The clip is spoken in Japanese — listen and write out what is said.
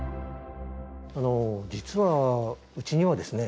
実はうちにはですね